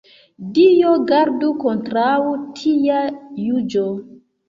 Dio gardu kontraŭ tia juĝo.